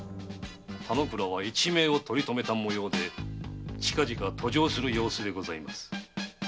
田之倉は一命を取り留めたもようで近々登城する様子でございます。